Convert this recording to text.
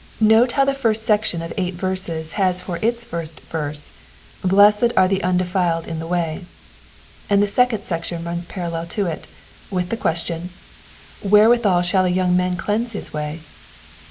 Note how the first section of eight verses has for its first verse, *' Blessed are the undefiled in the way," and the second section runs parallel to it, with the Question, Wherewithal shall a young man cleanse his way?'